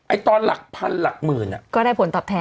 ตอนหลักพันหลักหมื่นก็ได้ผลตอบแทน